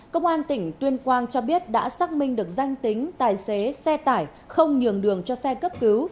công an tỉnh tuyên quang cho biết đã xác minh được danh tính tài xế xe tải không nhường đường cho xe cấp cứu